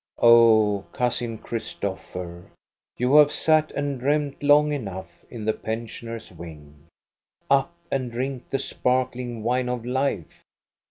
Oh, Cousin Christopher, you have sat and dreamed long enough in the pensioners' wing! Up and drink the sparkling wine of life.